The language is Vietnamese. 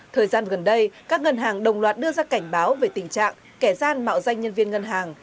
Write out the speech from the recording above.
thời gian gần đây các ngân hàng đồng loạt đưa ra cảnh báo về tình trạng kẻ gian mạo danh nhân viên ngân hàng